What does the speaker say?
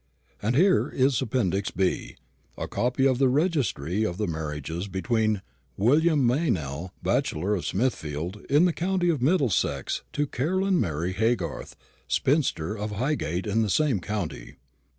And here is Appendix B. a copy of the registry of the marriage between William Meynell, bachelor, of Smithfield, in the county of Middlesex, to Caroline Mary Haygarth, spinster, of Highgate, in the same county."